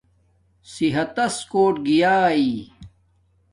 صحت تس کوٹ گیاݵݵ